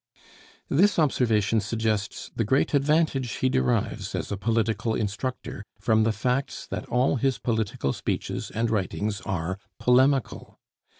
This observation suggests the great advantage he derives as a political instructor from the facts that all his political speeches and writings are polemical.